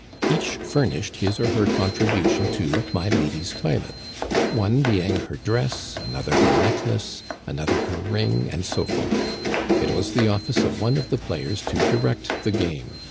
Each furnished his or her contribution to my lady's toilet — one being her dress, another her necklace, another her ring, and so forth. It was the office of one of the players to direct the game.